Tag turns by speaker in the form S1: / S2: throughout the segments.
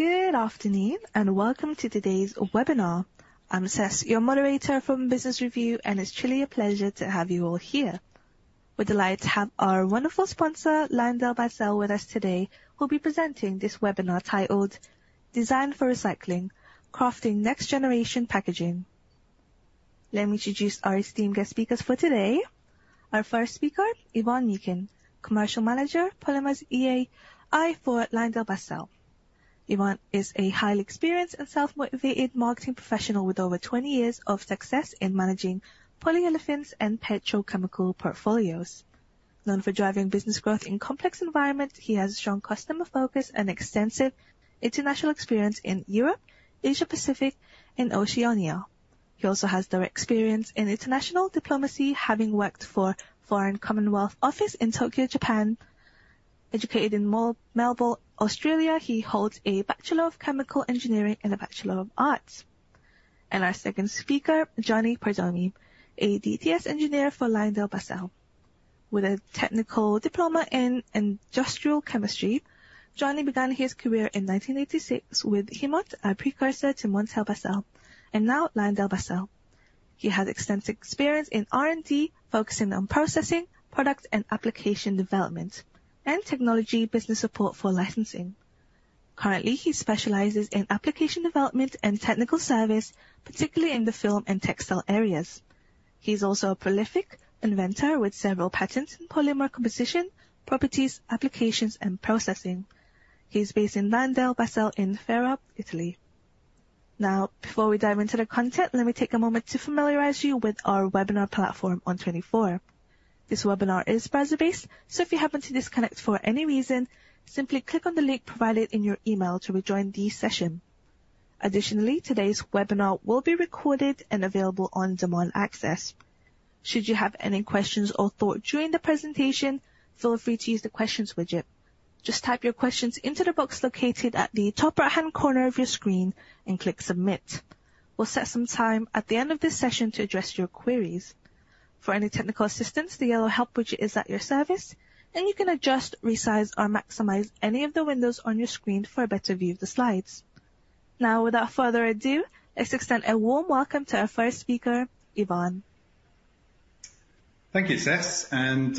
S1: Good afternoon and welcome to today's webinar. I'm Ses, your moderator from Business Review, and it's truly a pleasure to have you all here. We're delighted to have our wonderful sponsor, LyondellBasell, with us today, who will be presenting this webinar titled, "Design for Recycling: Crafting Next-Generation Packaging." Let me introduce our esteemed guest speakers for today. Our first speaker, Ivan Meakin, Commercial Manager, Polymers EAI for LyondellBasell. Ivan is a highly experienced and self-motivated marketing professional with over 20 years of success in managing polyolefins and petrochemical portfolios. Known for driving business growth in complex environments, she has a strong customer focus and extensive international experience in Europe, Asia-Pacific, and Oceania. She also has direct experience in international diplomacy, having worked for the Foreign Commonwealth Office in Tokyo, Japan. Educated in Melbourne, Australia, she holds a Bachelor of Chemical Engineering and a Bachelor of Arts. Our second speaker, Gianni Perdomi, ADTS Engineer for LyondellBasell. With a technical diploma in industrial chemistry, Gianni began his career in 1986 with Hemont, a precursor to MontellBasell, and now LyondellBasell. He has extensive experience in R&D, focusing on processing, product and application development, and technology business support for licensing. Currently, he specializes in application development and technical service, particularly in the film and textile areas. He's also a prolific inventor with several patents in polymer composition, properties, applications, and processing. He's based in LyondellBasell in Ferrara, Italy. Now, before we dive into the content, let me take a moment to familiarize you with our webinar platform, ON24. This webinar is browser-based, so if you happen to disconnect for any reason, simply click on the link provided in your email to rejoin the session. Additionally, today's webinar will be recorded and available on demand access. Should you have any questions or thoughts during the presentation, feel free to use the questions widget. Just type your questions into the box located at the top right-hand corner of your screen and click submit. We'll set some time at the end of this session to address your queries. For any technical assistance, the Yellow Help widget is at your service, and you can adjust, resize, or maximize any of the windows on your screen for a better view of the slides. Now, without further ado, let's extend a warm welcome to our first speaker, Ivan.
S2: Thank you, Ses. Good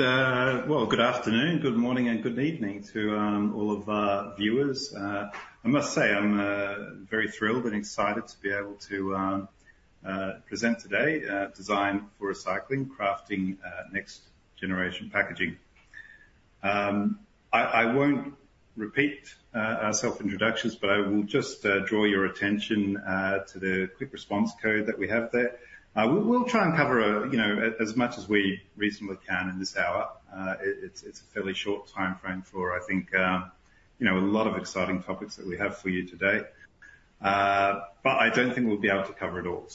S2: afternoon, good morning, and good evening to all of our viewers. I must say I'm very thrilled and excited to be able to present today, "Design for Recycling: Crafting Next-Generation Packaging." I won't repeat our self-introductions, but I will just draw your attention to the quick response code that we have there. We'll try and cover as much as we reasonably can in this hour. It's a fairly short time frame for, I think, a lot of exciting topics that we have for you today. I don't think we'll be able to cover it all.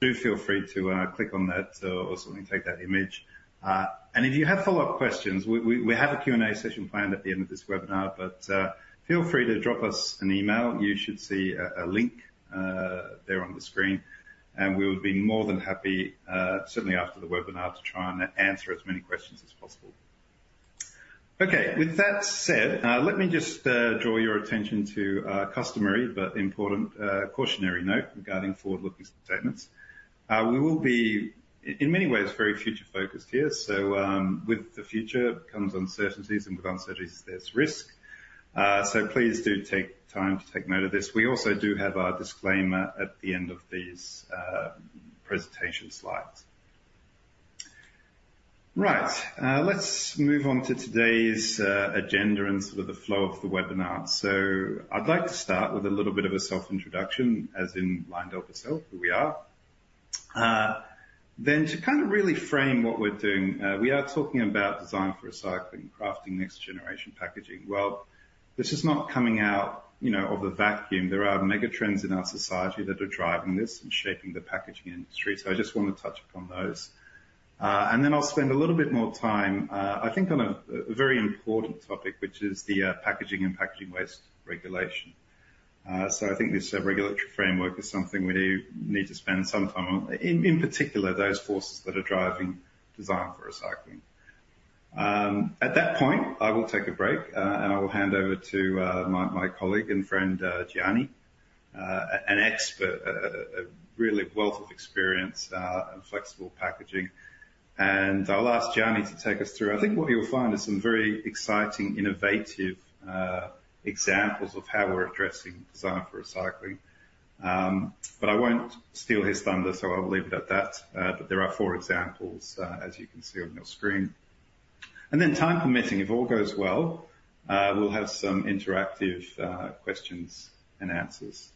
S2: Do feel free to click on that or certainly take that image. If you have follow-up questions, we have a Q&A session planned at the end of this webinar, but feel free to drop us an email. You should see a link there on the screen. We would be more than happy, certainly after the webinar, to try and answer as many questions as possible. Okay, with that said, let me just draw your attention to a customary but important cautionary note regarding forward-looking statements. We will be, in many ways, very future-focused here. With the future comes uncertainties, and with uncertainties, there's risk. Please do take time to take note of this. We also do have our disclaimer at the end of these presentation slides. Right, let's move on to today's agenda and sort of the flow of the webinar. I'd like to start with a little bit of a self-introduction, as in LyondellBasell, who we are. To kind of really frame what we're doing, we are talking about design for recycling, crafting next-generation packaging. This is not coming out of the vacuum. There are mega trends in our society that are driving this and shaping the packaging industry. I just want to touch upon those. I will spend a little bit more time, I think, on a very important topic, which is the packaging and packaging waste regulation. I think this regulatory framework is something we need to spend some time on, in particular, those forces that are driving design for recycling. At that point, I will take a break, and I will hand over to my colleague and friend, Gianni, an expert, a really wealth of experience in flexible packaging. I'll ask Gianni to take us through, I think what you'll find is some very exciting, innovative examples of how we're addressing design for recycling. I won't steal his thunder, so I'll leave it at that. There are four examples, as you can see on your screen. Time permitting, if all goes well, we'll have some interactive questions and answers.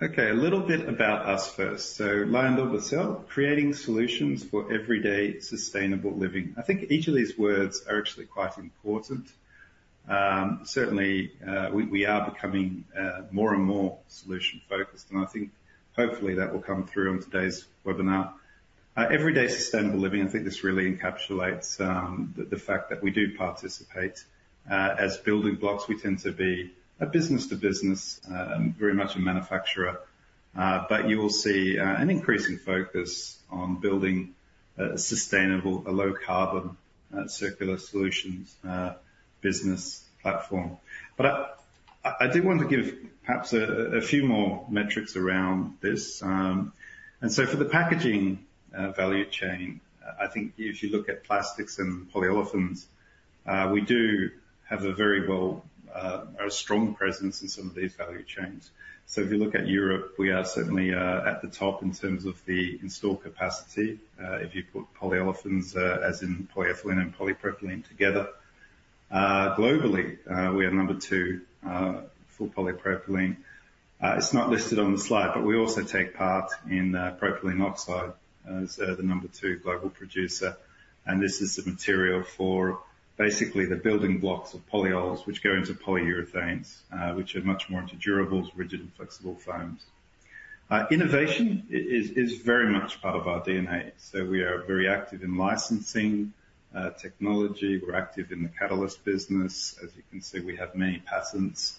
S2: Okay, a little bit about us first. LyondellBasell, creating solutions for everyday sustainable living. I think each of these words are actually quite important. Certainly, we are becoming more and more solution-focused, and I think, hopefully, that will come through on today's webinar. Everyday sustainable living, I think this really encapsulates the fact that we do participate. As building blocks, we tend to be a business-to-business, very much a manufacturer. You will see an increasing focus on building a sustainable, a low-carbon, circular solutions business platform. I do want to give perhaps a few more metrics around this. For the packaging value chain, I think if you look at plastics and polyolefins, we do have a very well or a strong presence in some of these value chains. If you look at Europe, we are certainly at the top in terms of the install capacity, if you put polyolefins, as in polyethylene and polypropylene, together. Globally, we are number two for polypropylene. It's not listed on the slide, but we also take part in propylene oxide as the number two global producer. This is the material for basically the building blocks of polyols, which go into polyurethanes, which are much more into durable, rigid, and flexible foams. Innovation is very much part of our DNA. We are very active in licensing technology. We're active in the catalyst business. As you can see, we have many patents.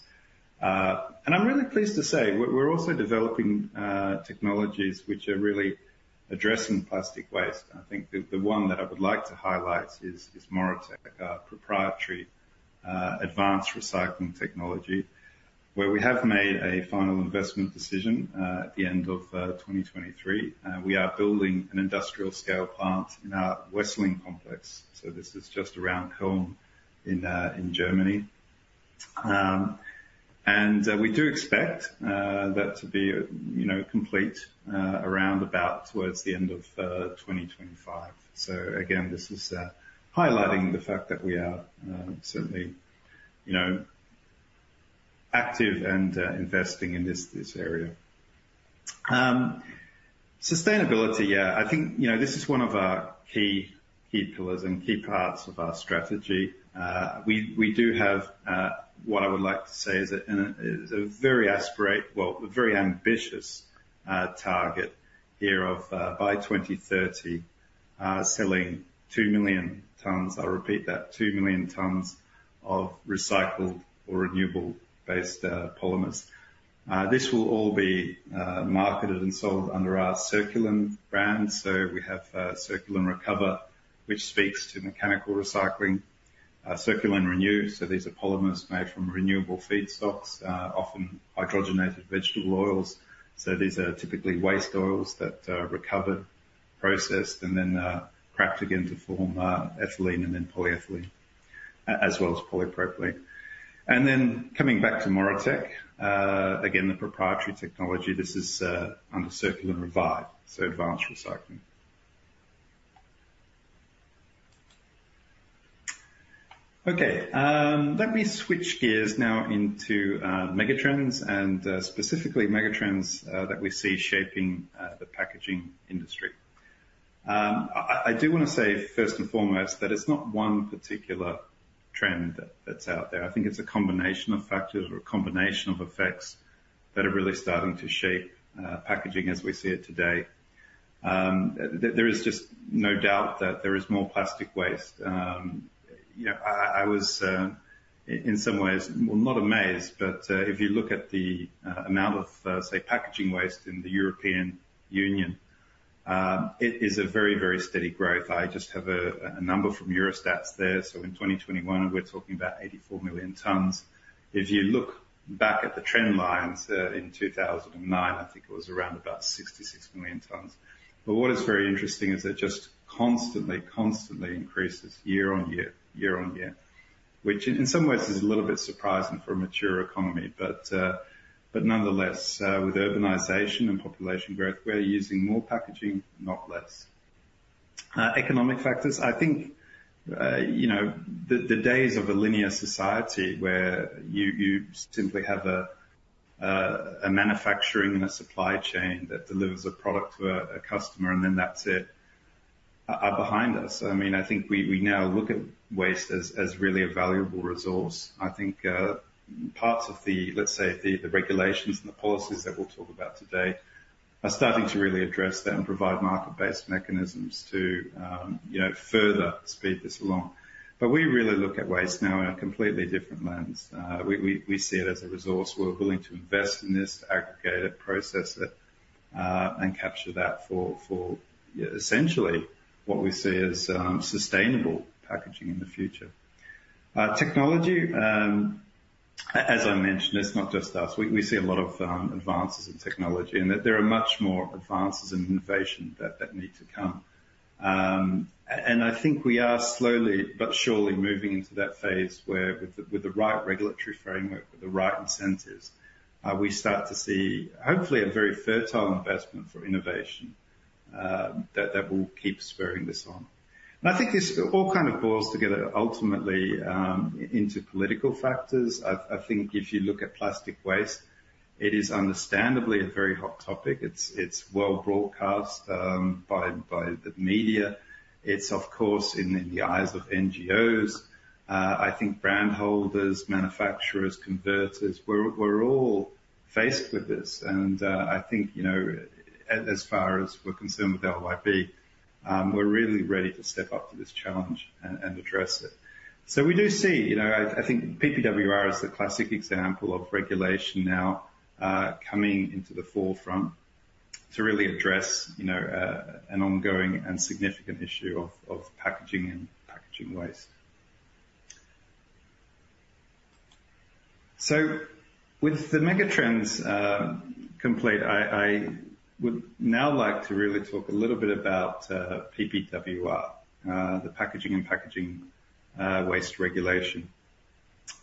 S2: I'm really pleased to say we're also developing technologies which are really addressing plastic waste. I think the one that I would like to highlight is Moratech, our proprietary advanced recycling technology, where we have made a final investment decision at the end of 2023. We are building an industrial-scale plant in our Wesseling complex. This is just around Cologne in Germany. We do expect that to be complete around about towards the end of 2025. This is highlighting the fact that we are certainly active and investing in this area. Sustainability, yeah, I think this is one of our key pillars and key parts of our strategy. We do have what I would like to say is a very aspirate, well, a very ambitious target here of, by 2030, selling 2 million tonnes—I'll repeat that—2 million tonnes of recycled or renewable-based polymers. This will all be marketed and sold under our Circulen brand. We have CirculenRecover, which speaks to mechanical recycling. CirculenRenew, these are polymers made from renewable feedstocks, often hydrogenated vegetable oils. These are typically waste oils that are recovered, processed, and then cracked again to form ethylene and then polyethylene, as well as polypropylene. Coming back to Moratech, again, the proprietary technology, this is under CirculenRevive, advanced recycling. Okay, let me switch gears now into mega trends and specifically mega trends that we see shaping the packaging industry. I do want to say, first and foremost, that it's not one particular trend that's out there. I think it's a combination of factors or a combination of effects that are really starting to shape packaging as we see it today. There is just no doubt that there is more plastic waste. I was, in some ways, not amazed, but if you look at the amount of, say, packaging waste in the European Union, it is a very, very steady growth. I just have a number from Eurostat there. In 2021, we're talking about 84 million tonnes. If you look back at the trend lines in 2009, I think it was around about 66 million tonnes. What is very interesting is it just constantly, constantly increases year on year, year on year, which in some ways is a little bit surprising for a mature economy. Nonetheless, with urbanisation and population growth, we're using more packaging, not less. Economic factors, I think the days of a linear society where you simply have a manufacturing and a supply chain that delivers a product to a customer and then that's it are behind us. I mean, I think we now look at waste as really a valuable resource. I think parts of the, let's say, the regulations and the policies that we'll talk about today are starting to really address that and provide market-based mechanisms to further speed this along. We really look at waste now in a completely different lens. We see it as a resource. We're willing to invest in this, aggregate it, process it, and capture that for essentially what we see as sustainable packaging in the future. Technology, as I mentioned, it's not just us. We see a lot of advances in technology, and there are much more advances and innovation that need to come. I think we are slowly but surely moving into that phase where, with the right regulatory framework, with the right incentives, we start to see, hopefully, a very fertile investment for innovation that will keep spurring this on. I think this all kind of boils together ultimately into political factors. I think if you look at plastic waste, it is understandably a very hot topic. It's well broadcast by the media. It's, of course, in the eyes of NGOs. I think brand holders, manufacturers, converters, we're all faced with this. I think, as far as we're concerned with LYB, we're really ready to step up to this challenge and address it. We do see, I think PPWR is the classic example of regulation now coming into the forefront to really address an ongoing and significant issue of packaging and packaging waste. With the mega trends complete, I would now like to really talk a little bit about PPWR, the packaging and packaging waste regulation.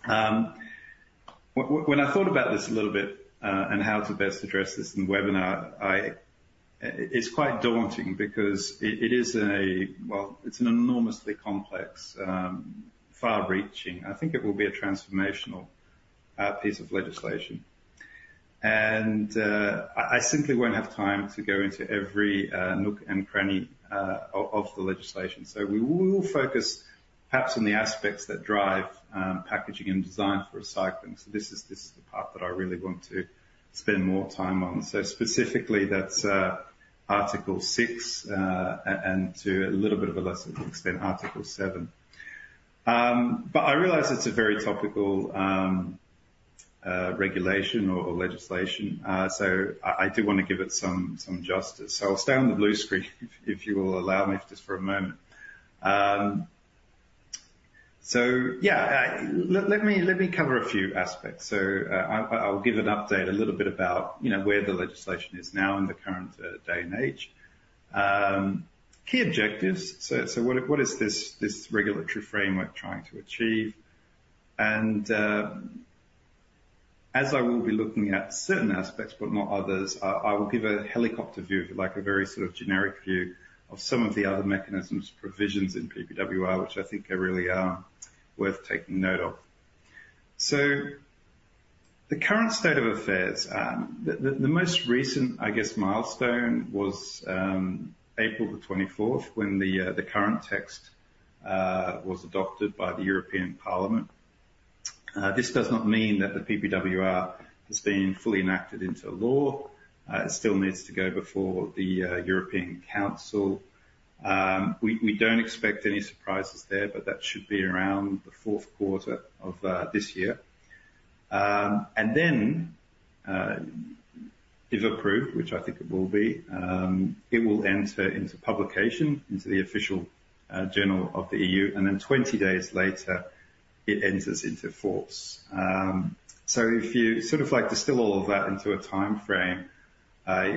S2: When I thought about this a little bit and how to best address this in the webinar, it's quite daunting because it is a, well, it's an enormously complex, far-reaching, I think it will be a transformational piece of legislation. I simply won't have time to go into every nook and cranny of the legislation. We will focus perhaps on the aspects that drive packaging and design for recycling. This is the part that I really want to spend more time on. Specifically, that's Article 6 and to a little bit of a lesser extent, Article 7. I realize it's a very topical regulation or legislation. I do want to give it some justice. I'll stay on the blue screen, if you will allow me, just for a moment. Yeah, let me cover a few aspects. I'll give an update a little bit about where the legislation is now in the current day and age. Key objectives, so what is this regulatory framework trying to achieve? As I will be looking at certain aspects, but not others, I will give a helicopter view, like a very sort of generic view of some of the other mechanisms, provisions in PPWR, which I think are really worth taking note of. The current state of affairs, the most recent, I guess, milestone was April the 24th when the current text was adopted by the European Parliament. This does not mean that the PPWR has been fully enacted into law. It still needs to go before the European Council. We don't expect any surprises there, but that should be around the fourth quarter of this year. If approved, which I think it will be, it will enter into publication, into the official journal of the EU. Twenty days later, it enters into force. If you sort of like distil all of that into a time frame,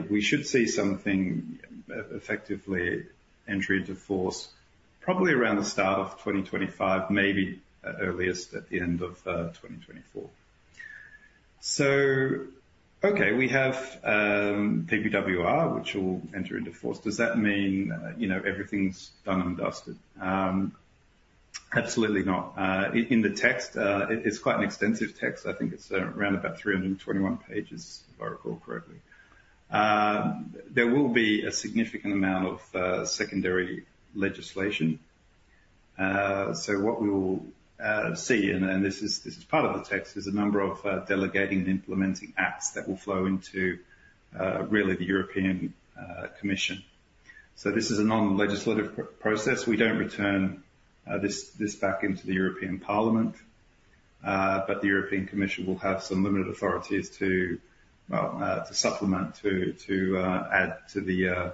S2: we should see something effectively enter into force probably around the start of 2025, maybe earliest at the end of 2024. We have PPWR, which will enter into force. Does that mean everything's done and dusted? Absolutely not. In the text, it's quite an extensive text. I think it's around about 321 pages, if I recall correctly. There will be a significant amount of secondary legislation. What we will see, and this is part of the text, is a number of delegating and implementing acts that will flow into really the European Commission. This is a non-legislative process. We do not return this back into the European Parliament, but the European Commission will have some limited authorities to supplement, to add to the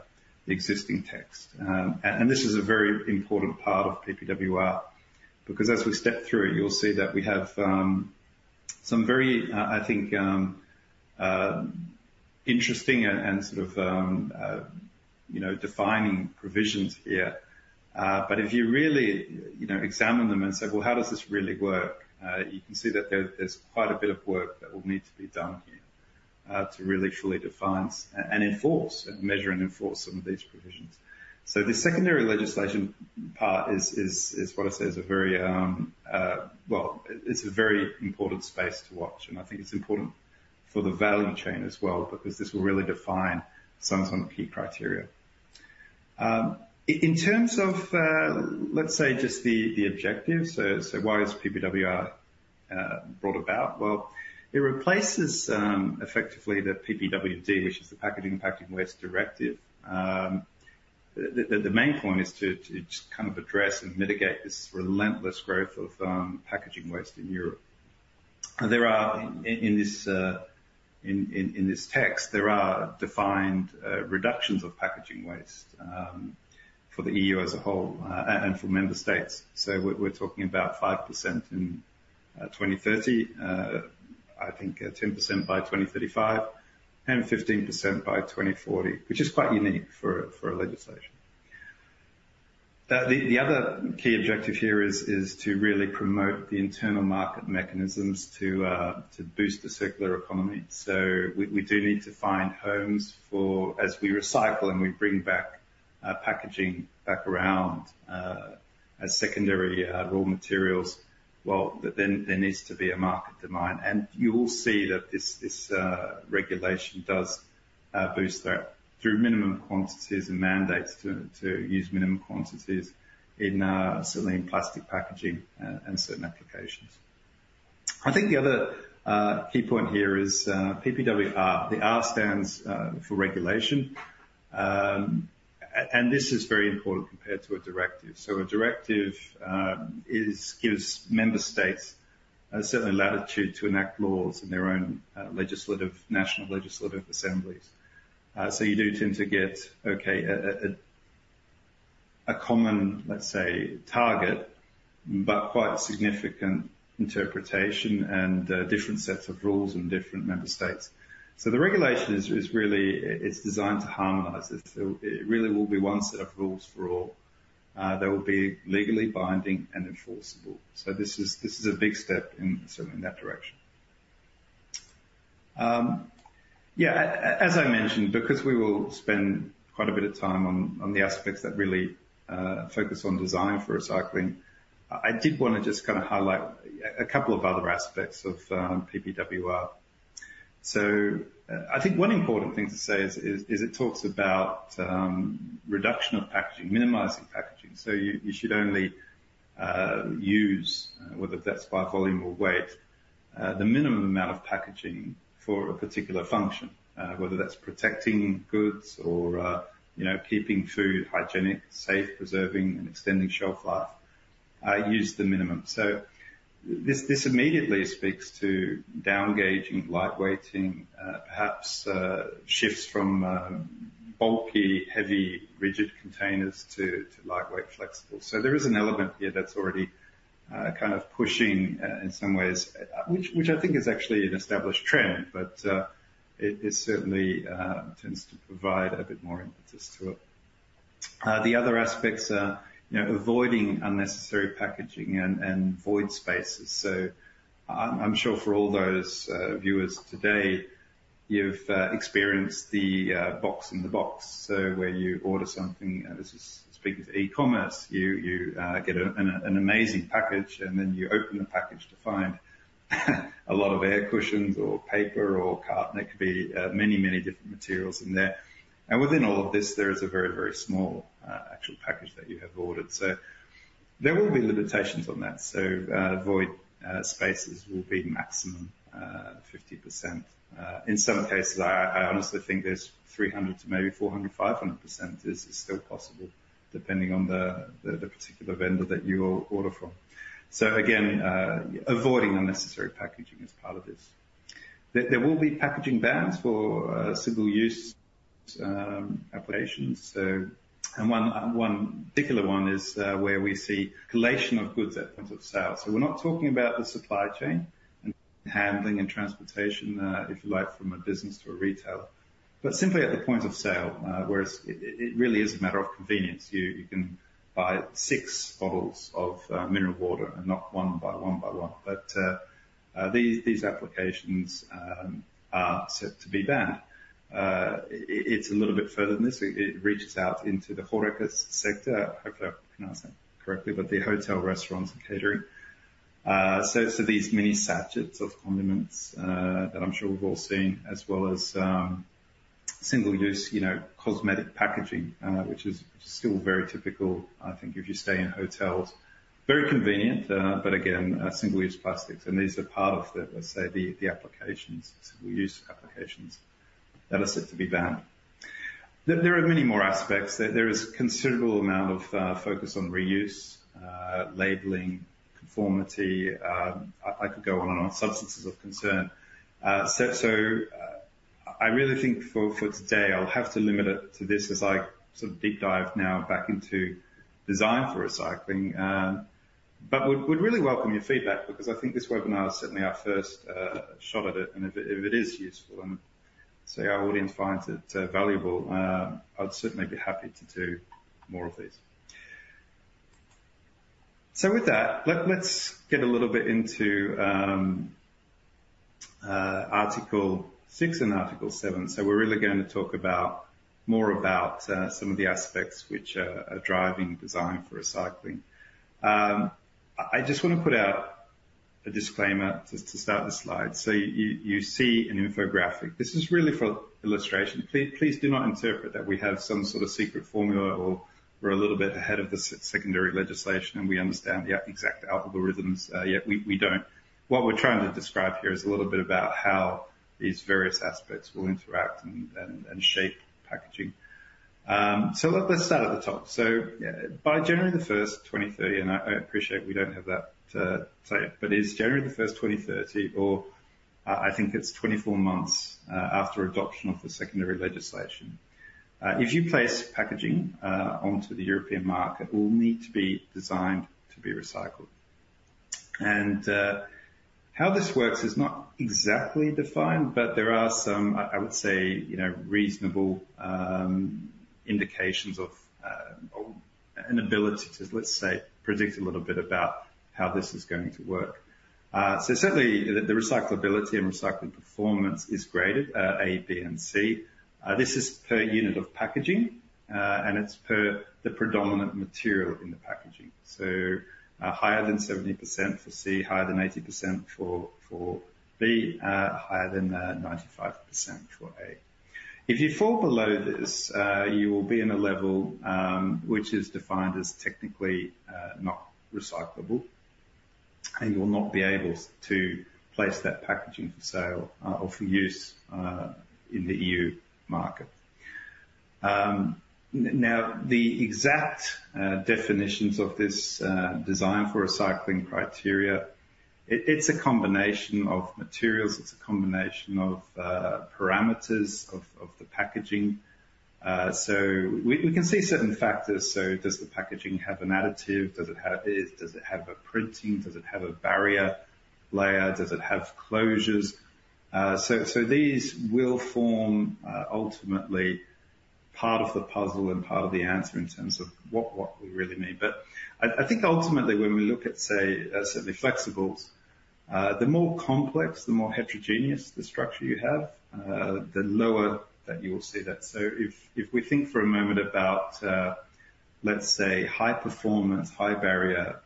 S2: existing text. This is a very important part of PPWR because as we step through it, you'll see that we have some very, I think, interesting and sort of defining provisions here. If you really examine them and say, "Well, how does this really work?" you can see that there's quite a bit of work that will need to be done here to really fully define and enforce and measure and enforce some of these provisions. The secondary legislation part is, what I say, is a very, well, it's a very important space to watch. I think it's important for the value chain as well because this will really define some key criteria. In terms of, let's say, just the objectives, why is PPWR brought about? It replaces effectively the PPWD, which is the Packaging and Packaging Waste Directive. The main point is to just kind of address and mitigate this relentless growth of packaging waste in Europe. In this text, there are defined reductions of packaging waste for the EU as a whole and for member states. We're talking about 5% in 2030, I think 10% by 2035, and 15% by 2040, which is quite unique for a legislation. The other key objective here is to really promote the internal market mechanisms to boost the circular economy. We do need to find homes for, as we recycle and we bring back packaging back around as secondary raw materials, there needs to be a market demand. You will see that this regulation does boost that through minimum quantities and mandates to use minimum quantities in plastic packaging and certain applications. I think the other key point here is PPWR, the R stands for regulation. This is very important compared to a directive. A directive gives member states latitude to enact laws in their own national legislative assemblies. You do tend to get a common, let's say, target, but quite significant interpretation and different sets of rules in different member states. The regulation is really designed to harmonize. It really will be one set of rules for all. They will be legally binding and enforceable. This is a big step certainly in that direction. Yeah, as I mentioned, because we will spend quite a bit of time on the aspects that really focus on design for recycling, I did want to just kind of highlight a couple of other aspects of PPWR. I think one important thing to say is it talks about reduction of packaging, minimizing packaging. You should only use, whether that is by volume or weight, the minimum amount of packaging for a particular function, whether that is protecting goods or keeping food hygienic, safe, preserving, and extending shelf life, use the minimum. This immediately speaks to down gauging, lightweighting, perhaps shifts from bulky, heavy, rigid containers to lightweight, flexible. There is an element here that's already kind of pushing in some ways, which I think is actually an established trend, but it certainly tends to provide a bit more impetus to it. The other aspects are avoiding unnecessary packaging and void spaces. I'm sure for all those viewers today, you've experienced the box in the box. Where you order something, this is speaking to e-commerce, you get an amazing package, and then you open the package to find a lot of air cushions or paper or card. There could be many, many different materials in there. Within all of this, there is a very, very small actual package that you have ordered. There will be limitations on that. Void spaces will be maximum 50%. In some cases, I honestly think there's 300% to maybe 400%, 500% is still possible, depending on the particular vendor that you order from. Again, avoiding unnecessary packaging is part of this. There will be packaging bans for single-use applications. One particular one is where we see collation of goods at points of sale. We're not talking about the supply chain and handling and transportation, if you like, from a business to a retailer, but simply at the point of sale, where it really is a matter of convenience. You can buy six bottles of mineral water and not one by one by one. These applications are set to be banned. It's a little bit further than this. It reaches out into the HoReCa sector. Hopefully, I pronounce that correctly, but the hotel, restaurants, and catering. These mini sachets of condiments that I'm sure we've all seen, as well as single-use cosmetic packaging, which is still very typical, I think, if you stay in hotels. Very convenient, but again, single-use plastics. These are part of, let's say, the applications, single-use applications that are set to be banned. There are many more aspects. There is a considerable amount of focus on reuse, labelling, conformity. I could go on and on. Substances of concern. I really think for today, I'll have to limit it to this as I sort of deep dive now back into design for recycling. Would really welcome your feedback because I think this webinar is certainly our first shot at it. If it is useful and our audience finds it valuable, I'd certainly be happy to do more of these. With that, let's get a little bit into Article 6 and Article 7. We're really going to talk more about some of the aspects which are driving design for recycling. I just want to put out a disclaimer to start the slide. You see an infographic. This is really for illustration. Please do not interpret that we have some sort of secret formula or we're a little bit ahead of the secondary legislation and we understand the exact algorithms. Yet we don't. What we're trying to describe here is a little bit about how these various aspects will interact and shape packaging. Let's start at the top. By January the 1st, 2030, and I appreciate we don't have that tape, but it's January the 1st, 2030, or I think it's 24 months after adoption of the secondary legislation. If you place packaging onto the European market, it will need to be designed to be recycled. How this works is not exactly defined, but there are some, I would say, reasonable indications of an ability to, let's say, predict a little bit about how this is going to work. Certainly, the recyclability and recycling performance is graded A, B, and C. This is per unit of packaging, and it is per the predominant material in the packaging. Higher than 70% for C, higher than 80% for B, higher than 95% for A. If you fall below this, you will be in a level which is defined as technically not recyclable. You will not be able to place that packaging for sale or for use in the EU market. The exact definitions of this design for recycling criteria, it is a combination of materials. It's a combination of parameters of the packaging. We can see certain factors. Does the packaging have an additive? Does it have a printing? Does it have a barrier layer? Does it have closures? These will form ultimately part of the puzzle and part of the answer in terms of what we really mean. I think ultimately, when we look at, say, certainly flexibles, the more complex, the more heterogeneous the structure you have, the lower that you will see that. If we think for a moment about, let's say, high performance, high barrier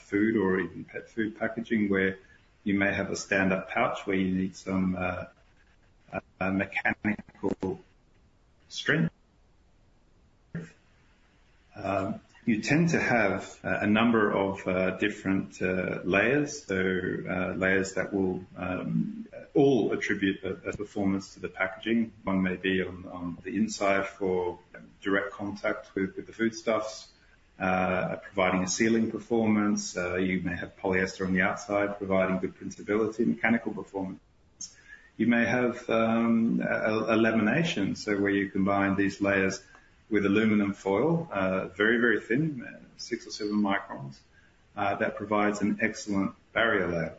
S2: food or even pet food packaging, where you may have a stand-up pouch where you need some mechanical strength, you tend to have a number of different layers. Layers that will all attribute a performance to the packaging. One may be on the inside for direct contact with the foodstuffs, providing a sealing performance. You may have polyester on the outside, providing good printability, mechanical performance. You may have a lamination, where you combine these layers with aluminum foil, very, very thin, six or seven microns, that provides an excellent barrier layer.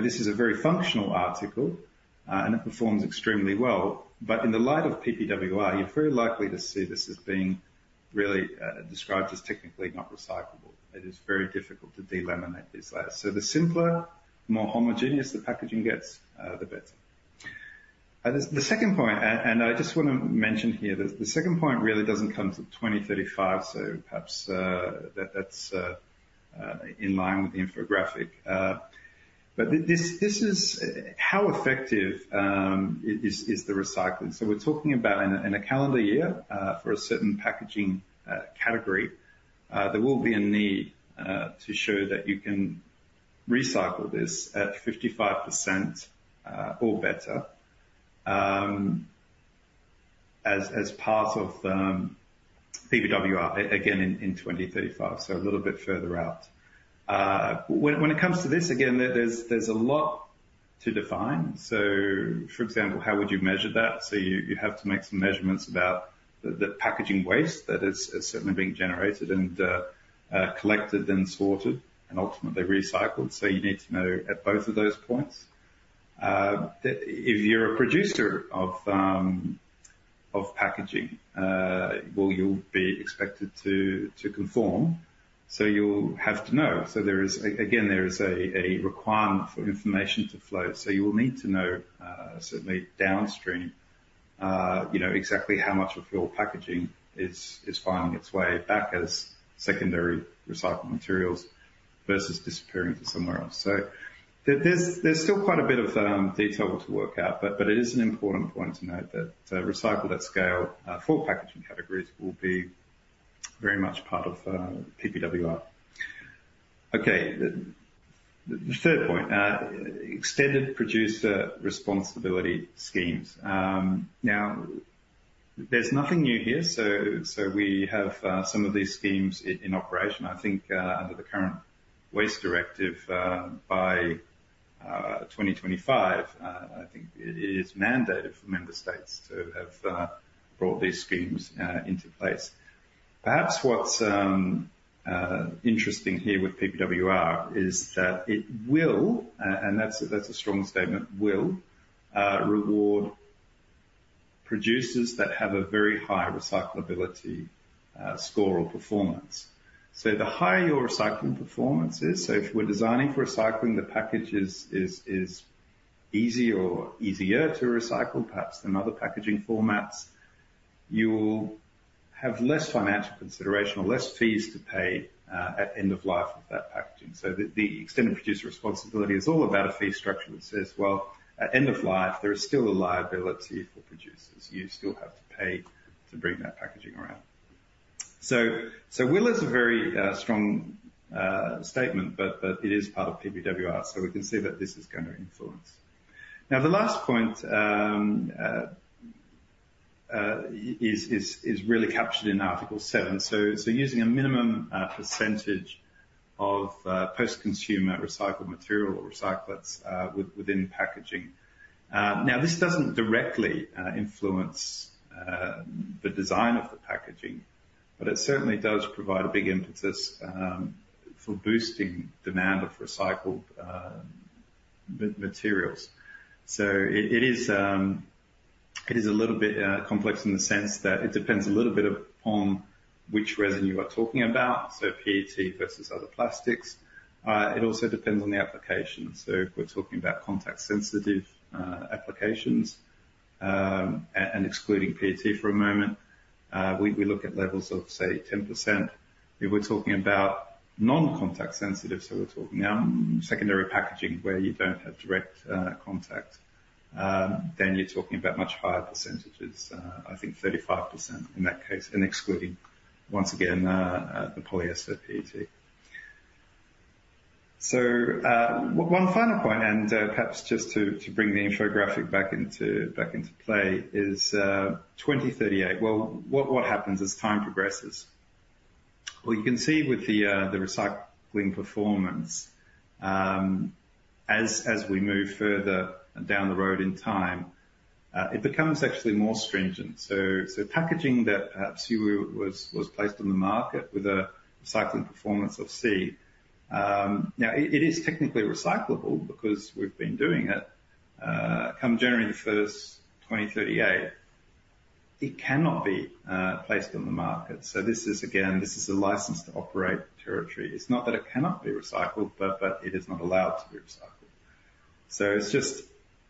S2: This is a very functional article, and it performs extremely well. In the light of PPWR, you're very likely to see this as being really described as technically not recyclable. It is very difficult to delaminate these layers. The simpler, more homogeneous the packaging gets, the better. The second point, and I just want to mention here, the second point really does not come to 2035, so perhaps that's in line with the infographic. This is how effective is the recycling. We're talking about in a calendar year for a certain packaging category, there will be a need to show that you can recycle this at 55% or better as part of PPWR, again, in 2035, so a little bit further out. When it comes to this, again, there's a lot to define. For example, how would you measure that? You have to make some measurements about the packaging waste that is certainly being generated and collected and sorted and ultimately recycled. You need to know at both of those points. If you're a producer of packaging, you'll be expected to conform. You'll have to know. Again, there is a requirement for information to flow. You will need to know certainly downstream exactly how much of your packaging is finding its way back as secondary recycled materials versus disappearing to somewhere else. There is still quite a bit of detail to work out, but it is an important point to note that recycled at scale for packaging categories will be very much part of PPWR. The third point, extended producer responsibility schemes. There is nothing new here. We have some of these schemes in operation. I think under the current waste directive by 2025, it is mandated for member states to have brought these schemes into place. Perhaps what is interesting here with PPWR is that it will, and that is a strong statement, will reward producers that have a very high recyclability score or performance. The higher your recycling performance is, so if we are designing for recycling, the package is easier to recycle perhaps than other packaging formats, you will have less financial consideration or less fees to pay at end of life of that packaging. The extended producer responsibility is all about a fee structure that says, well, at end of life, there is still a liability for producers. You still have to pay to bring that packaging around. Will is a very strong statement, but it is part of PPWR. We can see that this is going to influence. The last point is really captured in Article 7. Using a minimum percentage of post-consumer recycled material or recyclates within packaging. This does not directly influence the design of the packaging, but it certainly does provide a big impetus for boosting demand of recycled materials. It is a little bit complex in the sense that it depends a little bit upon which resin you are talking about, so PET versus other plastics. It also depends on the application. If we're talking about contact-sensitive applications and excluding PET for a moment, we look at levels of, say, 10%. If we're talking about non-contact-sensitive, so we're talking now secondary packaging where you don't have direct contact, then you're talking about much higher percentages, I think 35% in that case, and excluding, once again, the polyester PET. One final point, and perhaps just to bring the infographic back into play, is 2038. What happens as time progresses? You can see with the recycling performance, as we move further down the road in time, it becomes actually more stringent. Packaging that perhaps was placed on the market with a recycling performance of C, now it is technically recyclable because we've been doing it. Come January 1, 2038, it cannot be placed on the market. This is, again, a licensed-to-operate territory. It's not that it cannot be recycled, but it is not allowed to be recycled.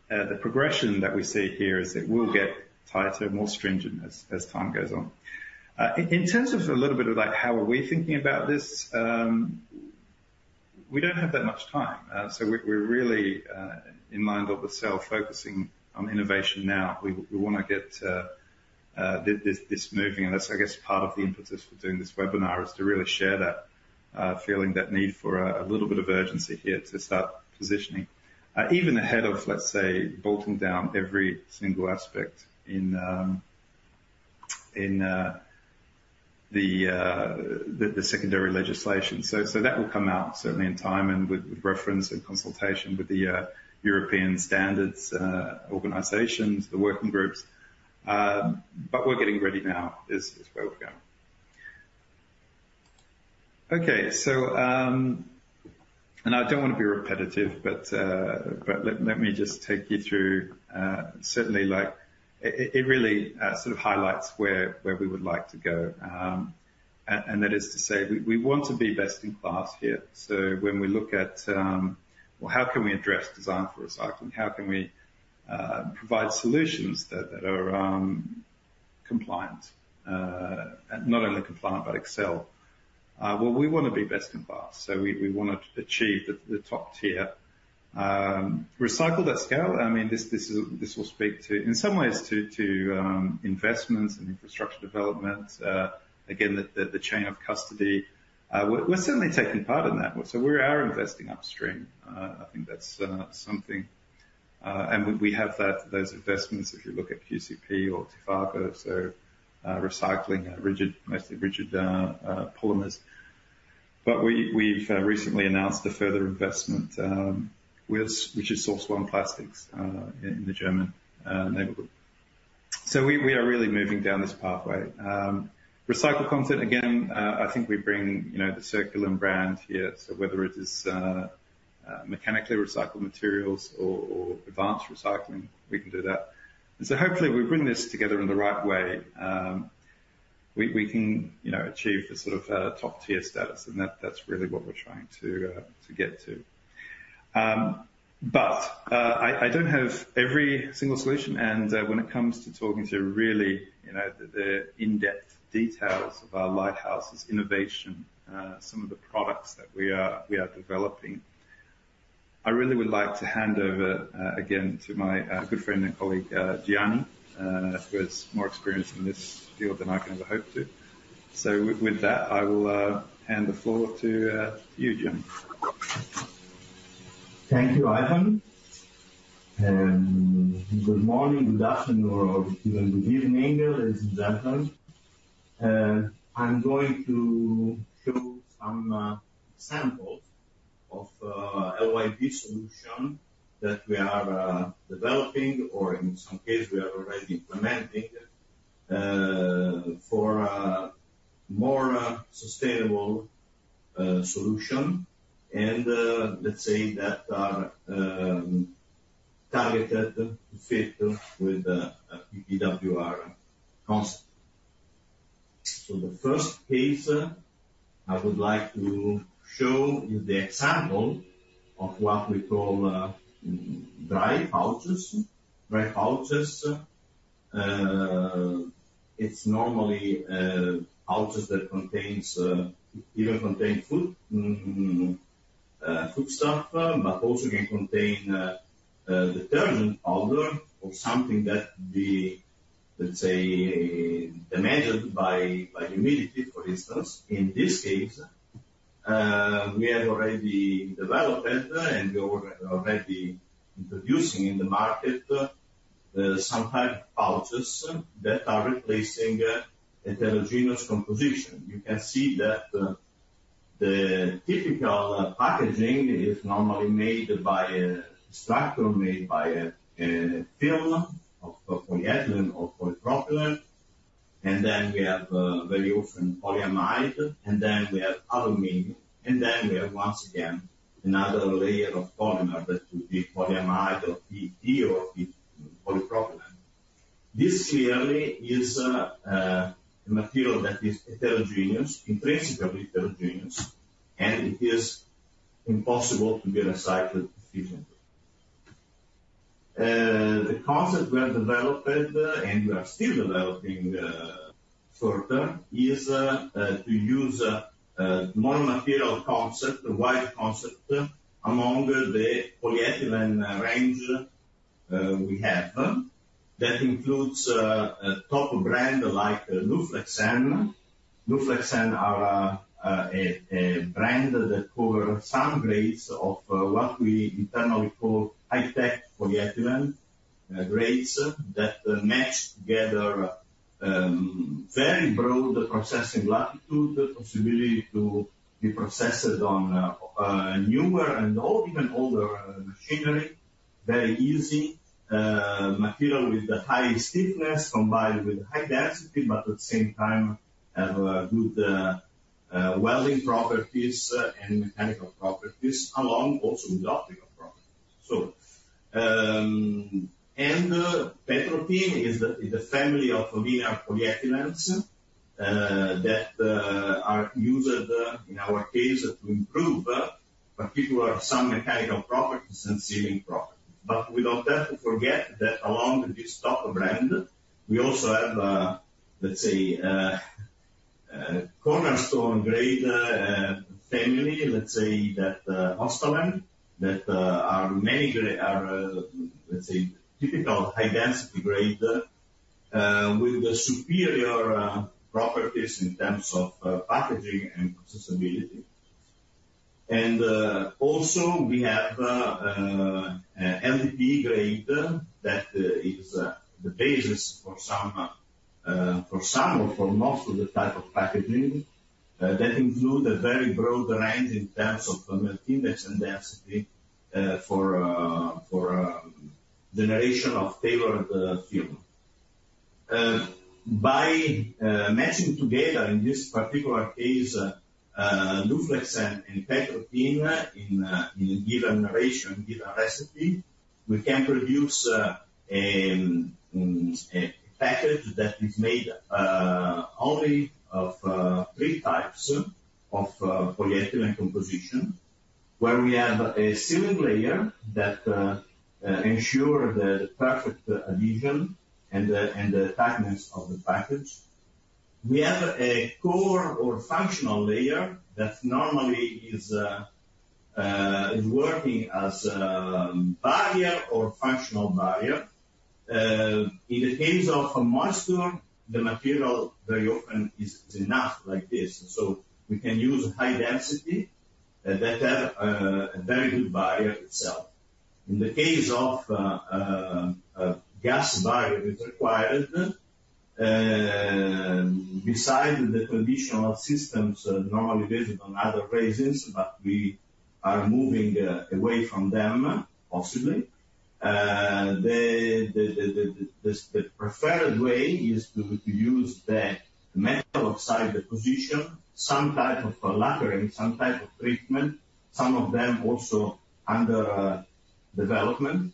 S2: The progression that we see here is it will get tighter, more stringent as time goes on. In terms of a little bit of how are we thinking about this, we do not have that much time. We are really in line with ourselves focusing on innovation now. We want to get this moving. That is, I guess, part of the impetus for doing this webinar, to really share that feeling, that need for a little bit of urgency here to start positioning, even ahead of, let's say, bolting down every single aspect in the secondary legislation. That will come out certainly in time and with reference and consultation with the European standards organizations, the working groups. We are getting ready now is where we are going. Okay. I don't want to be repetitive, but let me just take you through. Certainly, it really sort of highlights where we would like to go. That is to say, we want to be best in class here. When we look at, well, how can we address design for recycling? How can we provide solutions that are compliant? Not only compliant, but excel. We want to be best in class. We want to achieve the top tier. Recycle at scale, I mean, this will speak to, in some ways, to investments and infrastructure development. Again, the chain of custody. We're certainly taking part in that. We are investing upstream. I think that's something. We have those investments, if you look at QCP or Tifago, so recycling mostly rigid polymers. We have recently announced a further investment, which is Source One Plastics in the German neighborhood. We are really moving down this pathway. Recycle content, again, I think we bring the Circulen brand here. Whether it is mechanically recycled materials or advanced recycling, we can do that. Hopefully, if we bring this together in the right way, we can achieve the sort of top-tier status. That is really what we are trying to get to. I do not have every single solution. When it comes to talking to really the in-depth details of our lighthouse, this innovation, some of the products that we are developing, I really would like to hand over, again, to my good friend and colleague, Gianni, who has more experience in this field than I can ever hope to. With that, I will hand the floor to you, Gianni.
S3: Thank you, Ivan. Good morning, good afternoon, or evening, ladies and gentlemen. I'm going to show some samples of LYB solution that we are developing, or in some cases, we are already implementing for a more sustainable solution. Let's say that these are targeted to fit with the PPWR concept. The first case I would like to show is the example of what we call dry pouches. Dry pouches are normally pouches that even contain foodstuff, but also can contain detergent powder or something that can be, let's say, damaged by humidity, for instance. In this case, we have already developed and we are already introducing in the market some types of pouches that are replacing heterogeneous composition. You can see that the typical packaging is normally made by a structure made by a film of polyethylene or polypropylene. We have very often polyamide, and then we have aluminum, and then we have once again another layer of polymer that would be polyamide or PET or polypropylene. This clearly is a material that is heterogeneous, in principle heterogeneous, and it is impossible to be recycled efficiently. The concept we have developed and we are still developing further is to use the monomaterial concept, the wide concept among the polyethylene range we have that includes top brands like Luflexen. Luflexen are a brand that covers some grades of what we internally call high-tech polyethylene grades that match together very broad processing latitude, possibility to be processed on newer and even older machinery, very easy, material with the high stiffness combined with high density, but at the same time have good welding properties and mechanical properties along also with optical properties. Petrothene is the family of linear polyethylenes that are used in our case to improve particular, some mechanical properties and sealing properties. We do not have to forget that along with this top brand, we also have, let's say, cornerstone grade family, let's say that Hostalen, that are many, let's say, typical high-density grade with superior properties in terms of packaging and accessibility. We also have LDPE grade that is the basis for some or for most of the type of packaging that include a very broad range in terms of index and density for generation of tailored film. By matching together in this particular case, Luflexen and Petrothene in a given ratio and given recipe, we can produce a package that is made only of three types of polyethylene composition, where we have a sealing layer that ensures the perfect adhesion and the tightness of the package. We have a core or functional layer that normally is working as a barrier or functional barrier. In the case of moisture, the material very often is enough like this. We can use high density that have a very good barrier itself. In the case of gas barrier, it is required beside the conditional systems normally based on other reasons, but we are moving away from them possibly. The preferred way is to use the metal oxide deposition, some type of lacquering, some type of treatment, some of them also under development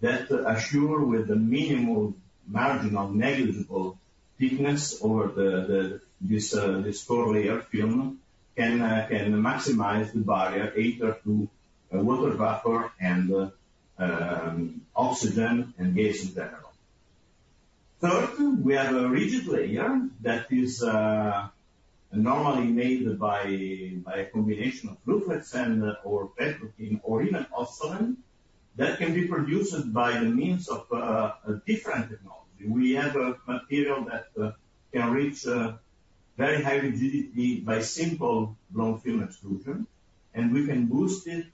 S3: that assure with the minimal margin of negligible thickness over this core layer film can maximize the barrier either to water vapor and oxygen and gas in general. Third, we have a rigid layer that is normally made by a combination of Luflexen or Petrothene or even Hostalen that can be produced by the means of a different technology. We have a material that can reach very high rigidity by simple blown film extrusion, and we can boost it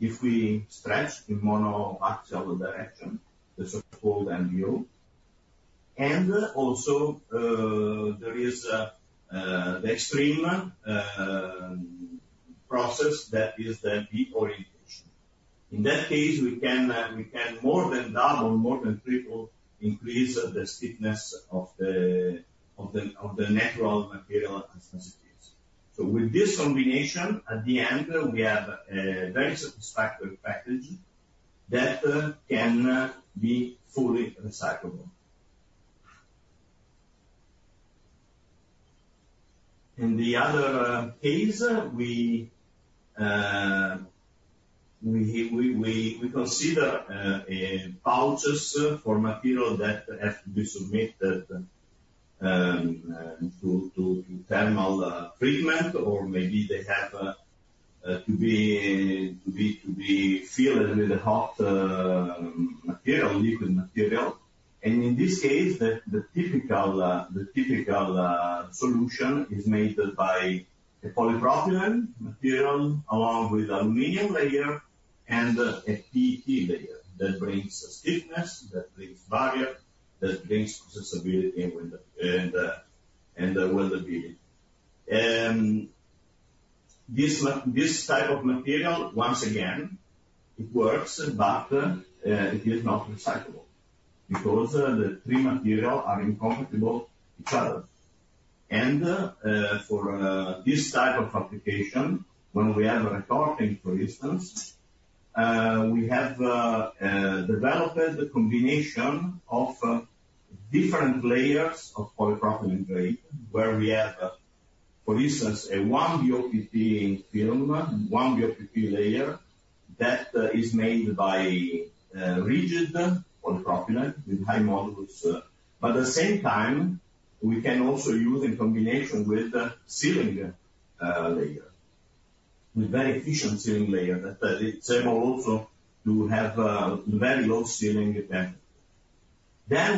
S3: if we stretch in monoaxial direction, the so-called MDO. There is also the extreme process that is the B orientation. In that case, we can more than double, more than triple increase the stiffness of the natural material as it is. With this combination, at the end, we have a very satisfactory package that can be fully recyclable. In the other case, we consider pouches for material that have to be submitted to thermal treatment, or maybe they have to be filled with hot material, liquid material. In this case, the typical solution is made by a polypropylene material along with an aluminum layer and a PET layer that brings stiffness, that brings barrier, that brings accessibility and weldability. This type of material, once again, it works, but it is not recyclable because the three materials are incompatible with each other. For this type of application, when we have a recording, for instance, we have developed the combination of different layers of polypropylene grade where we have, for instance, a BOPP film, BOPP layer that is made by rigid polypropylene with high modulus. At the same time, we can also use in combination with sealing layer, with very efficient sealing layer that is able also to have very low sealing temperature.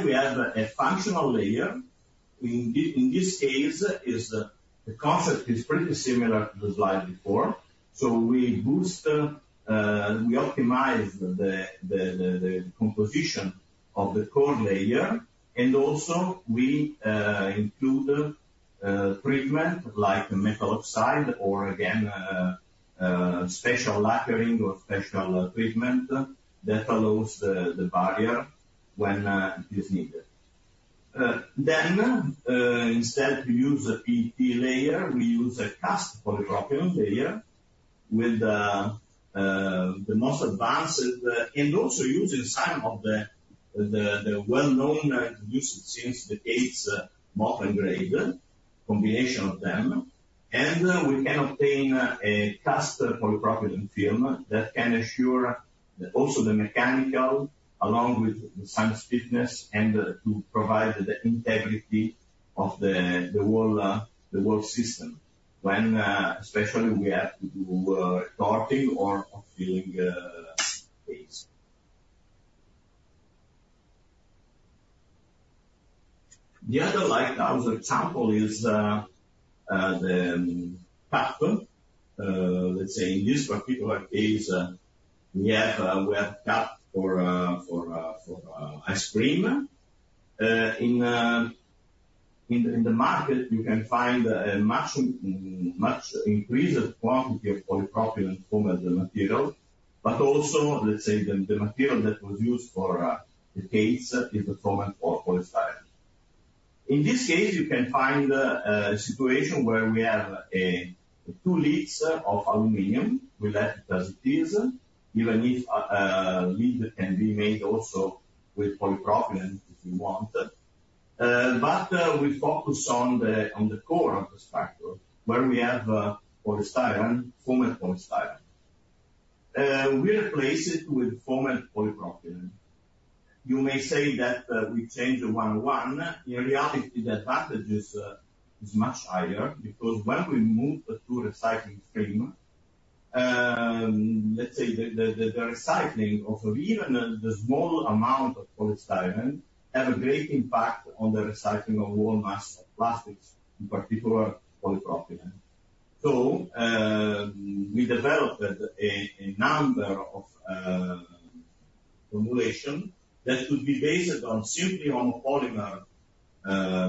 S3: We have a functional layer. In this case, the concept is pretty similar to the slide before. We optimize the composition of the core layer. We also include treatment like metal oxide or, again, special lacquering or special treatment that allows the barrier when it is needed. Instead of using a PET layer, we use a cast polypropylene layer with the most advanced and also using some of the well-known used since the case molten grade, combination of them. We can obtain a cast polypropylene film that can assure also the mechanical along with some stiffness and to provide the integrity of the wall system when especially we have to do torquing or filling case. The other lighthouse example is the cup. Let's say in this particular case, we have a wet cup for ice cream. In the market, you can find a much increased quantity of polypropylene formed material, but also, let's say, the material that was used for the case is the formed polystyrene. In this case, you can find a situation where we have two leads of aluminum. We left it as it is, even if lead can be made also with polypropylene if you want. We focus on the core of the structure where we have formed polystyrene. We replace it with formed polypropylene. You may say that we change the 101. In reality, the advantage is much higher because when we move to recycling frame, let's say the recycling of even the small amount of polystyrene has a great impact on the recycling of wall mass of plastics, in particular polypropylene. We developed a number of formulations that could be based on simply monopolymers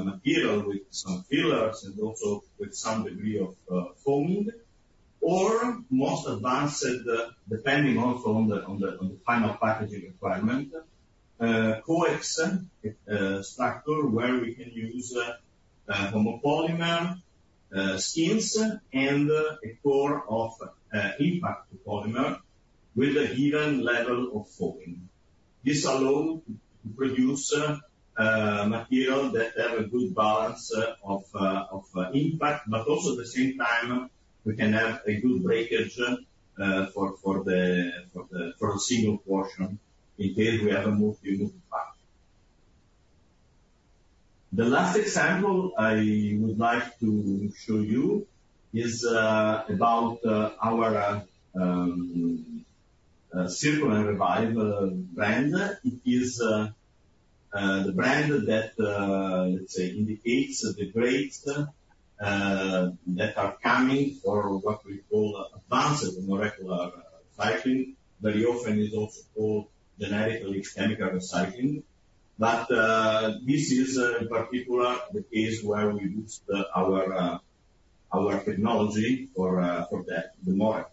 S3: material with some fillers and also with some degree of foaming, or most advanced, depending also on the final packaging requirement, coax structure where we can use monopolymers, skins, and a core of impact polymer with a given level of foaming. This allows to produce material that has a good balance of impact, but also at the same time, we can have a good breakage for a single portion in case we have a multiple part. The last example I would like to show you is about our CirculenRevive brand. It is the brand that, let's say, indicates the grades that are coming for what we call advanced molecular recycling. Very often, it is also called generically chemical recycling. This is, in particular, the case where we used our technology for that, the more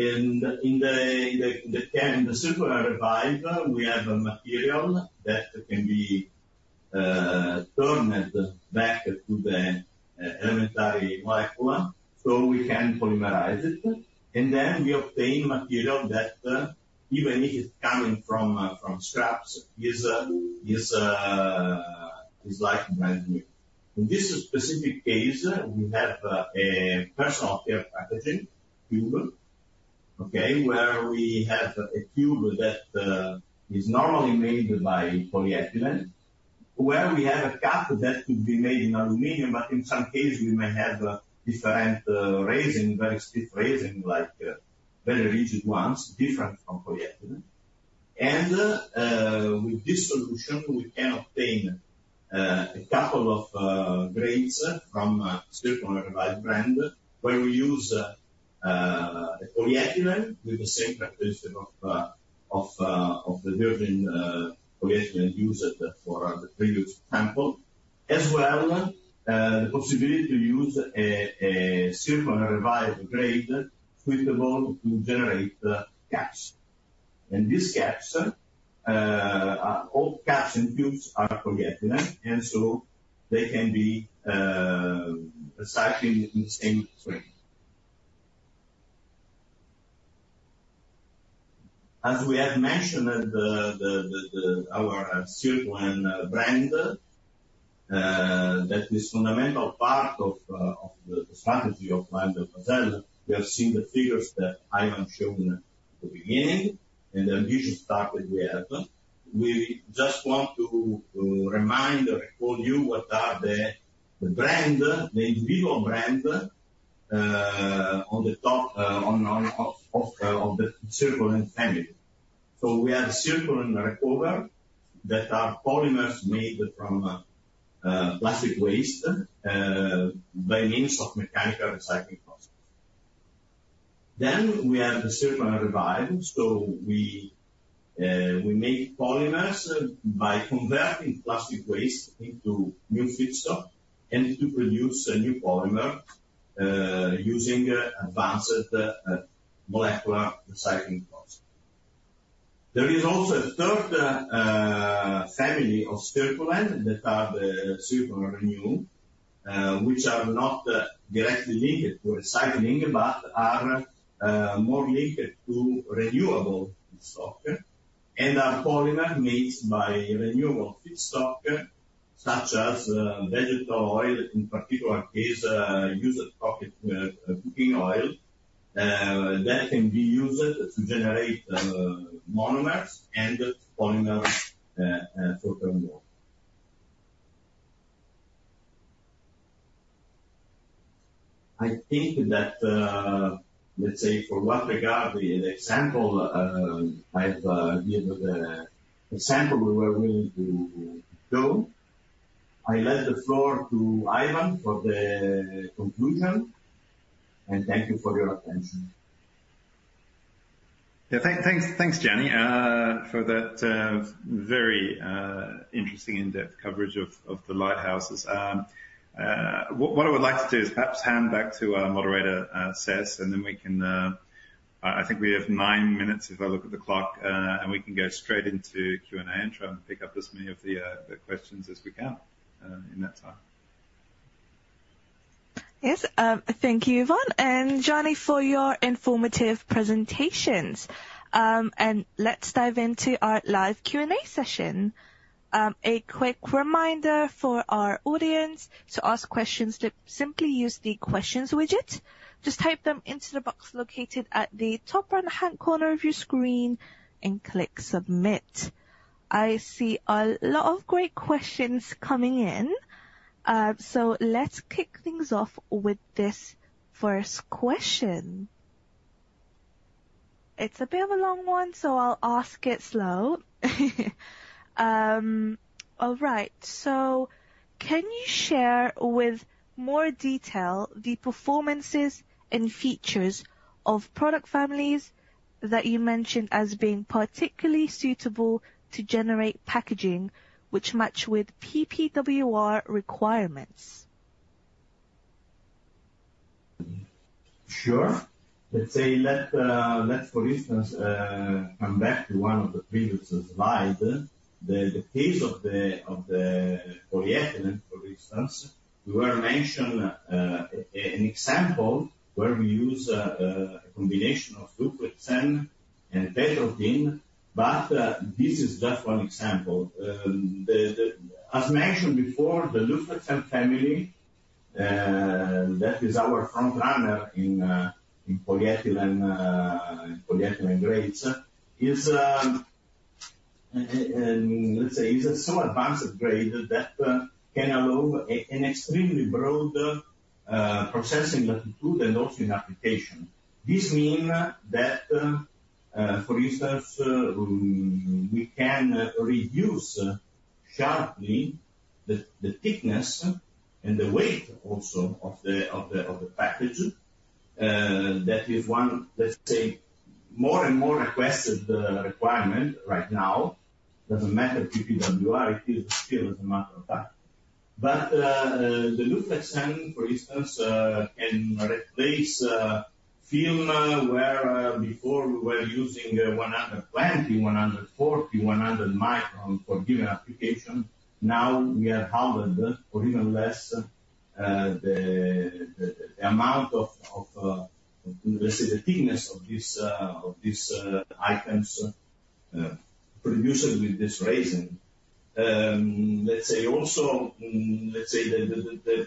S3: effective. In the CirculenRevive, we have a material that can be turned back to the elementary molecule. We can polymerize it, and then we obtain material that, even if it's coming from scraps, is like brand new. In this specific case, we have a personal care packaging tube, okay, where we have a tube that is normally made by polyethylene, where we have a cup that could be made in aluminum, but in some cases, we may have different resin, very stiff resin, like very rigid ones, different from polyethylene. With this solution, we can obtain a couple of grades from CirculenRevive brand where we use polyethylene with the same characteristic of the virgin polyethylene used for the previous example, as well the possibility to use a CirculenRevive grade suitable to generate caps. These caps, all caps and tubes are polyethylene, and so they can be recycled in the same frame. As we have mentioned, our CirculenRevive brand is a fundamental part of the strategy of LyondellBasell. We have seen the figures that Ivan showed at the beginning, and the visual structure we have. We just want to remind or recall you what are the brand, the individual brand on the top of the CirculenRevive. We have CirculenRecover that are polymers made from plastic waste by means of mechanical recycling process. We have the CirculenRevive. We make polymers by converting plastic waste into new feedstock to produce a new polymer using advanced molecular recycling process. There is also a third family of Circulen, the CirculenRenew, which are not directly linked to recycling, but are more linked to renewable stock. Our polymer is made by renewable feedstock, such as vegetable oil, in particular case, used cooking oil, that can be used to generate monomers and polymer for thermal. I think that, let's say, for what regard the example I've given, the example we were willing to show, I let the floor to Ivan for the conclusion. Thank you for your attention.
S2: Yeah, thanks, Gianni, for that very interesting in-depth coverage of the lighthouses. What I would like to do is perhaps hand back to our moderator, Ses, and then we can—I think we have nine minutes if I look at the clock—and we can go straight into Q&A and try and pick up as many of the questions as we can in that time.
S1: Yes, thank you, Ivan and GIanni, for your informative presentations. Let's dive into our live Q&A session. A quick reminder for our audience to ask questions that simply use the questions widget. Just type them into the box located at the top right-hand corner of your screen and click submit. I see a lot of great questions coming in. Let's kick things off with this first question. It's a bit of a long one, so I'll ask it slow. All right. Can you share with more detail the performances and features of product families that you mentioned as being particularly suitable to generate packaging, which match with PPWR requirements?
S3: Sure. Let's say, for instance, come back to one of the previous slides. The case of the polyethylene, for instance, we were mentioning an example where we use a combination of Luflexen and Petrothene, but this is just one example. As mentioned before, the Luflexen family that is our front runner in polyethylene grades is, let's say, is a so advanced grade that can allow an extremely broad processing latitude and also in application. This means that, for instance, we can reduce sharply the thickness and the weight also of the package. That is one, let's say, more and more requested requirement right now. It does not matter PPWR; it is still a matter of fact. The Luflexen, for instance, can replace film where before we were using 120, 140, 100 microns for a given application. Now we have halved or even less the amount of, let's say, the thickness of these items produced with this resin. Let's say also, the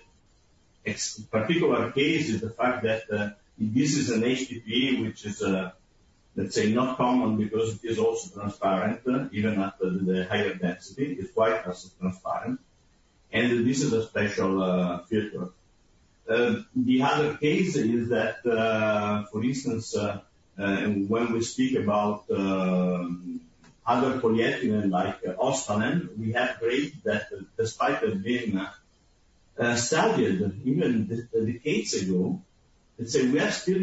S3: particular case is the fact that this is an HDPE, which is, let's say, not common because it is also transparent even at the higher density. It is white as transparent. And this is a special feature. The other case is that, for instance, when we speak about other polyethylene like Hostalen, we have grades that, despite being studied even decades ago, we are still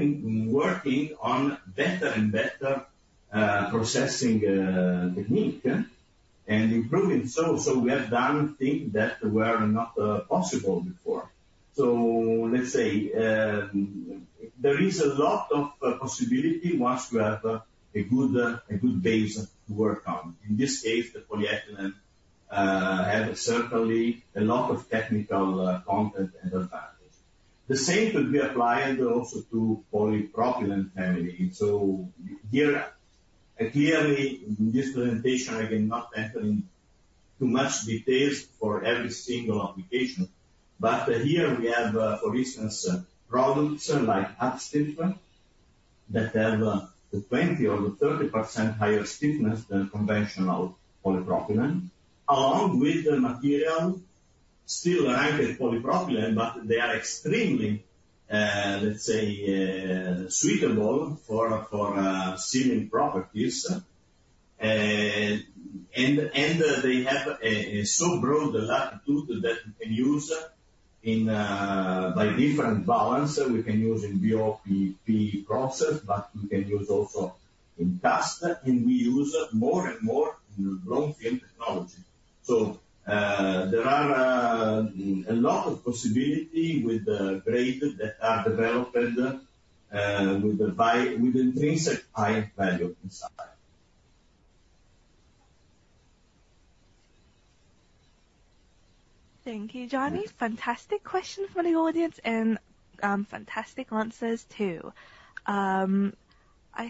S3: working on better and better processing technique and improving so. We have done things that were not possible before. Let's say there is a lot of possibility once you have a good base to work on. In this case, the polyethylene has certainly a lot of technical content and advantage. The same could be applied also to polypropylene family. Here, clearly, in this presentation, I cannot enter into too much details for every single application. Here we have, for instance, products like Adstif that have the 20% or the 30% higher stiffness than conventional polypropylene, along with the material still ranked polypropylene, but they are extremely, let's say, suitable for sealing properties. They have a so broad latitude that we can use by different balance. We can use in BOPP process, but we can use also in cast. We use more and more in the blown film technology. There are a lot of possibilities with the grades that are developed with intrinsic high value inside.
S1: Thank you, Johnny. Fantastic question from the audience and fantastic answers too. I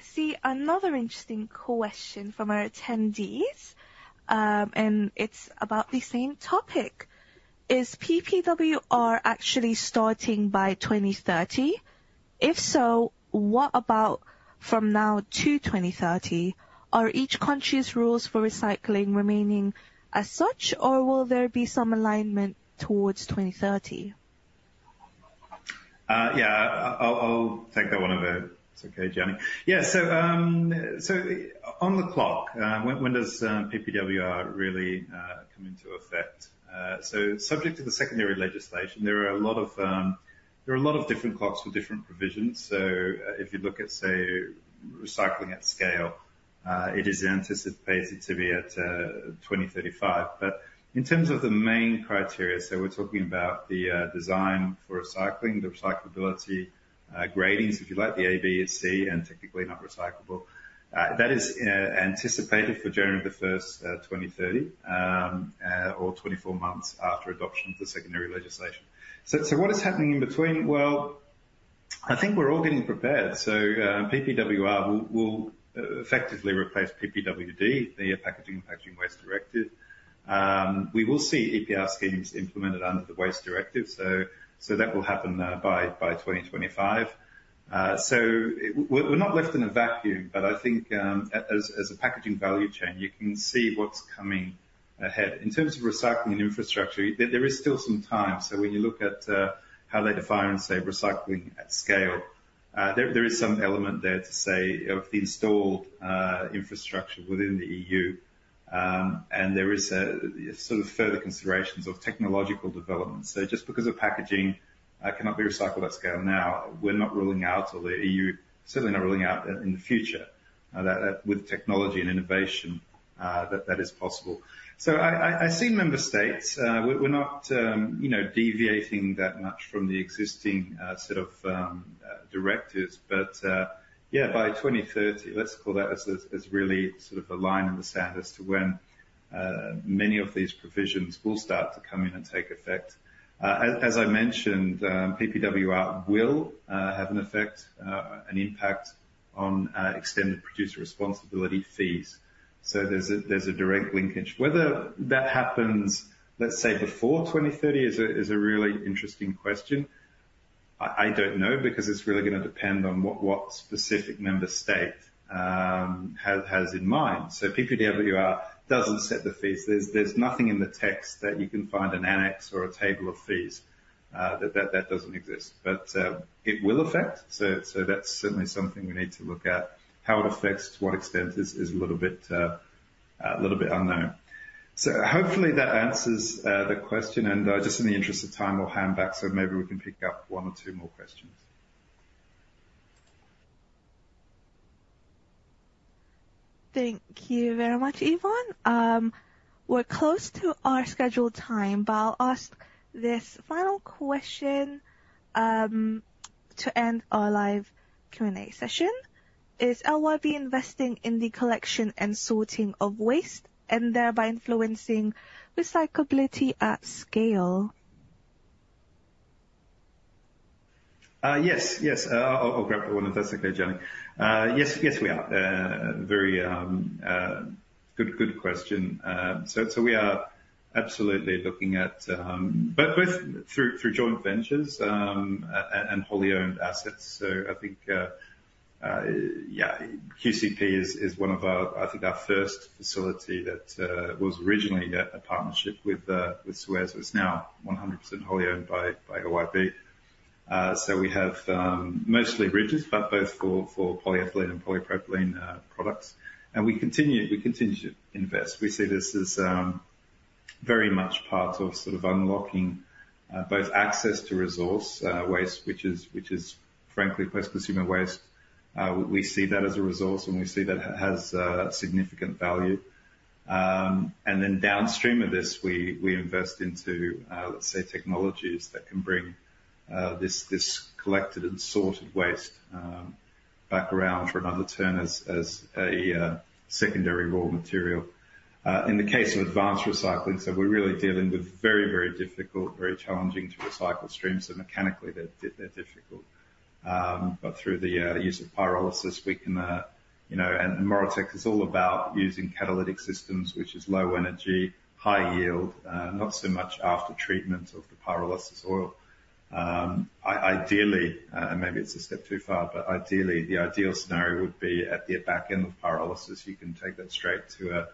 S1: see another interesting question from our attendees, and it's about the same topic. Is PPWR actually starting by 2030? If so, what about from now to 2030? Are each country's rules for recycling remaining as such, or will there be some alignment towards 2030?
S2: Yeah, I'll take that one a bit. It's okay, Gianni. Yeah. On the clock, when does PPWR really come into effect? Subject to the secondary legislation, there are a lot of different clocks with different provisions. If you look at, say, recycling at scale, it is anticipated to be at 2035. In terms of the main criteria, so we're talking about the design for recycling, the recyclability gradings, if you like, the A, B, C, and technically not recyclable, that is anticipated for January 1, 2030, or 24 months after adoption of the secondary legislation. What is happening in between? I think we're all getting prepared. PPWR will effectively replace PPWD, the Packaging and Packaging Waste Directive. We will see EPR schemes implemented under the waste directive. That will happen by 2025. We're not left in a vacuum, but I think as a packaging value chain, you can see what's coming ahead. In terms of recycling and infrastructure, there is still some time. When you look at how they define, say, recycling at scale, there is some element there to say of the installed infrastructure within the EU. There are sort of further considerations of technological development. Just because a packaging cannot be recycled at scale now, we are not ruling out, or the EU is certainly not ruling out in the future, with technology and innovation that is possible. I see member states. We are not deviating that much from the existing set of directives. By 2030, let's call that as really sort of a line in the sand as to when many of these provisions will start to come in and take effect. As I mentioned, PPWR will have an effect, an impact on extended producer responsibility fees. There is a direct linkage. Whether that happens, let's say, before 2030 is a really interesting question. I do not know because it is really going to depend on what specific member state has in mind. PPWR does not set the fees. There's nothing in the text that you can find an annex or a table of fees. That doesn't exist. It will affect. That's certainly something we need to look at. How it affects, to what extent, is a little bit unknown. Hopefully that answers the question. Just in the interest of time, we'll hand back so maybe we can pick up one or two more questions.
S1: Thank you very much, Ivan. We're close to our scheduled time, but I'll ask this final question to end our live Q&A session. Is LYB investing in the collection and sorting of waste and thereby influencing recyclability at scale?
S2: Yes, yes. I'll grab the one if that's okay, Gianni. Yes, yes, we are. Very good question. We are absolutely looking at both through joint ventures and wholly owned assets. I think, yeah, QCP is one of our, I think, our first facility that was originally a partnership with SUEZ. It's now 100% wholly owned by LyondellBasell. We have mostly rigids, but both for polyethylene and polypropylene products. We continue to invest. We see this as very much part of unlocking both access to resource waste, which is, frankly, post-consumer waste. We see that as a resource, and we see that it has significant value. Downstream of this, we invest into, let's say, technologies that can bring this collected and sorted waste back around for another turn as a secondary raw material. In the case of advanced recycling, we're really dealing with very, very difficult, very challenging to recycle streams. Mechanically, they're difficult. Through the use of pyrolysis, we can—and Moratech is all about using catalytic systems, which is low energy, high yield, not so much after treatment of the pyrolysis oil. Ideally, and maybe it's a step too far, but ideally, the ideal scenario would be at the back end of pyrolysis, you can take that straight to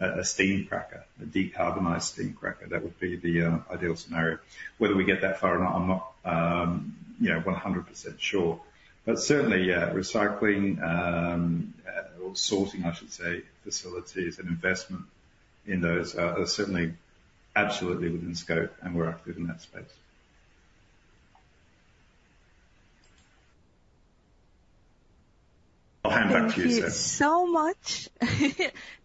S2: a steam cracker, a decarbonized steam cracker. That would be the ideal scenario. Whether we get that far or not, I'm not 100% sure. Certainly, recycling or sorting, I should say, facilities and investment in those are certainly absolutely within scope, and we're active in that space. I'll hand back to you, Ses.
S1: Thank you so much.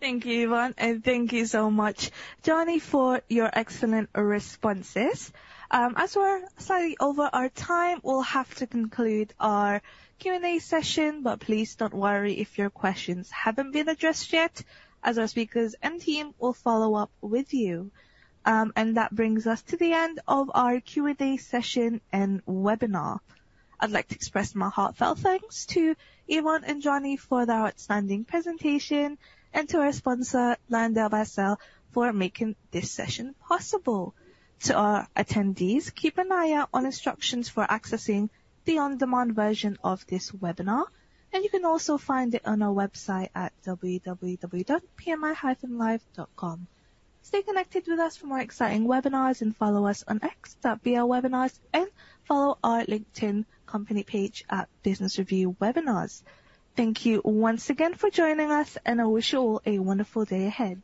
S1: Thank you, Ivan. And thank you so much, Gianni, for your excellent responses. As we're slightly over our time, we'll have to conclude our Q&A session, but please don't worry if your questions haven't been addressed yet, as our speakers and team will follow up with you. That brings us to the end of our Q&A session and webinar. I'd like to express my heartfelt thanks to Ivan and Gianni for their outstanding presentation and to our sponsor, LyondellBasell, for making this session possible. To our attendees, keep an eye out for instructions for accessing the on-demand version of this webinar. You can also find it on our website at www.pmi-live.com. Stay connected with us for more exciting webinars and follow us on X at BLWebinars. Follow our LinkedIn company page at Business Review Webinars. Thank you once again for joining us, and I wish you all a wonderful day ahead.